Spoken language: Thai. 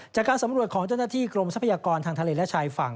จากการสำรวจของเจ้าหน้าที่กรมทรัพยากรทางทะเลและชายฝั่ง